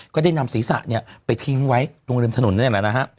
ก็ได้นำศีรษะเนี่ยไปทิ้งไว้ตรงริมถนนนี่แหละนะฮะ